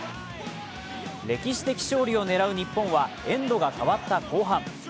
歴史的勝利を狙う日本はエンドが変わった後半。